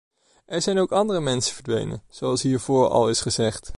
Er zijn ook andere mensen verdwenen, zoals hiervoor al is gezegd.